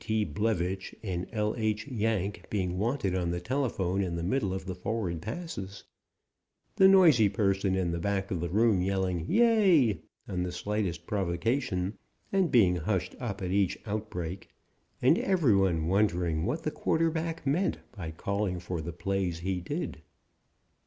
T. Blevitch and L.H. Yank being wanted on the telephone in the middle of forward passes; the noisy person in the back of the room yelling "Yea" on the slightest provocation and being hushed up at each outbreak; and every one wondering what the quarterback meant by calling for the plays he did.